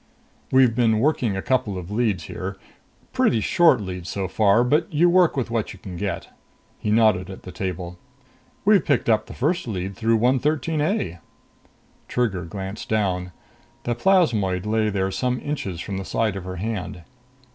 "We've been working a couple of leads here. Pretty short leads so far, but you work with what you can get." He nodded at the table. "We picked up the first lead through 113 A." Trigger glanced down. The plasmoid lay there some inches from the side of her hand.